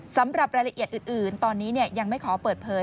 สำหรับรายละเอียดอื่นตอนนี้ยังไม่ขอเปิดเผย